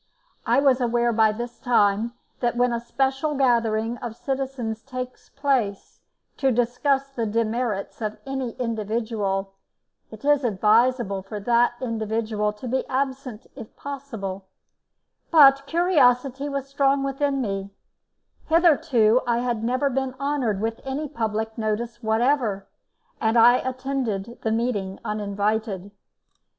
I was aware by this time that when a special gathering of citizens takes place to discuss the demerits of any individual, it is advisable for that individual to be absent if possible; but curiosity was strong within me; hitherto I had never been honoured with any public notice whatever, and I attended the meeting uninvited.